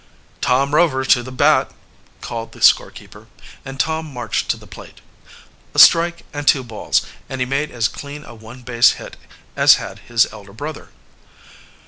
"Tom Rover to the bat!" called the score keeper, and Tom marched to the plate. A strike and two balls, and he made as clean a one base hit as had his elder brother.